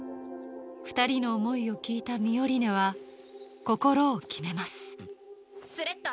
二人の思いを聞いたミオリネは心を決めますスレッタ。